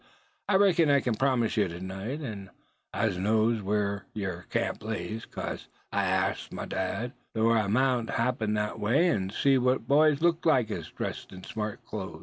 "I reckons I kin promise ye to night. An' I knows whar yer camp lays, 'case I arsked my dad. Thort I mout happen thet way, an' see what boys looked like as was dressed in smart close.